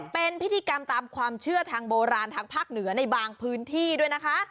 เป็นพิธีกรรมตามความเชื่อทางโบราณทางภาคเหนือในบางพื้นที่ด้วยนะคะ